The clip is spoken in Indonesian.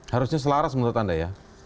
harusnya selaras menurut anda ya